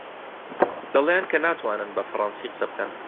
دەڵێن کە ناتوانن بە فەڕەنسی قسە بکەن.